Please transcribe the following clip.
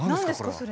それ。